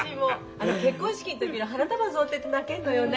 あの結婚式の時の花束贈呈って泣けるのよね。